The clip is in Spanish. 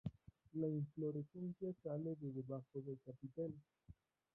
La inflorescencia sale de debajo de capitel.